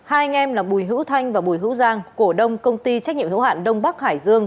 hai anh em là bùi hữu thanh và bùi hữu giang cổ đông công ty trách nhiệm hữu hạn đông bắc hải dương